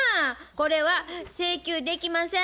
これは請求できません。